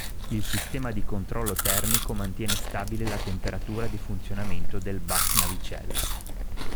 Il sistema di controllo termico mantiene stabile la temperatura di funzionamento del bus navicella.